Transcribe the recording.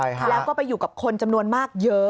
แล้วก็ไปอยู่กับคนจำนวนมากเยอะ